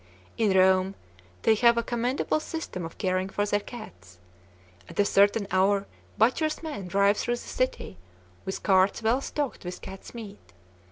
In Rome, they have a commendable system of caring for their cats. At a certain hour butchers' men drive through the city, with carts well stocked with cat's meat.